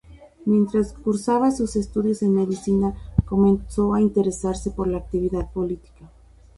Mientras cursaba sus estudios en Medicina comenzó a interesarse por la actividad política.